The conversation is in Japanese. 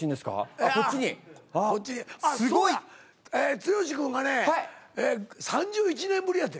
剛君がね３１年ぶりやて。